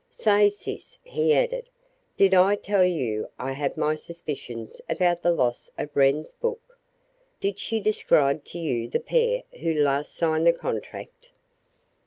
"Say, sis," he added, "did I tell you I have my suspicions about the loss of Wren's book? Did she describe to you the pair who last signed the contract?"